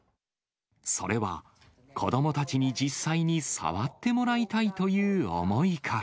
それは、子どもたちに実際に触ってもらいたいという思いから。